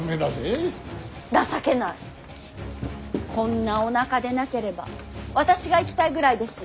こんなおなかでなければ私が行きたいぐらいです。